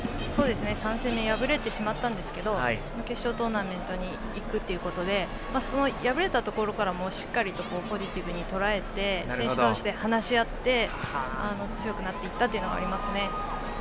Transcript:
３戦目で敗れてしまったんですけれど決勝トーナメントに行くということでその敗れたところからもしっかりとポジティブにとらえて選手同士で話し合って強くなっていったというのがありますね。